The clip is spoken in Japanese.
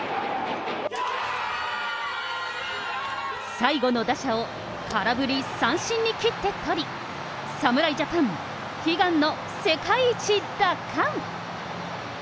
最後の打者を空振り三振に切って取り、侍ジャパン、悲願の世界一奪還。